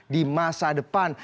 di masa depan